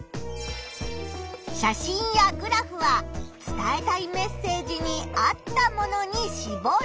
写真やグラフは伝えたいメッセージに合ったものにしぼる。